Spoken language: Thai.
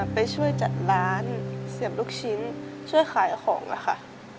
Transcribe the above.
ไปช่วยจัดร้านเสียบลูกชิ้นช่วยขายของค่ะ